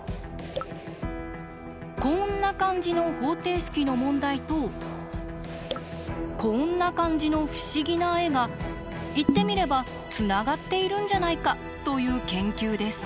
こんな感じの方程式の問題とこんな感じの不思議な絵が言ってみればつながっているんじゃないか？という研究です。